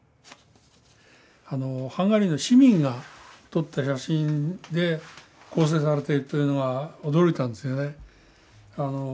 ハンガリーの市民が撮った写真で構成されているというは驚いたんですよね。